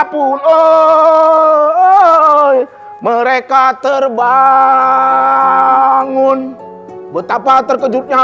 pun mereka terbangun betapa terkejutnya